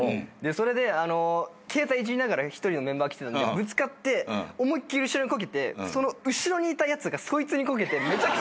それで携帯いじりながら一人のメンバー来てたんでぶつかって思いっ切り後ろにこけてその後ろにいたやつがそいつにこけてめちゃくちゃ。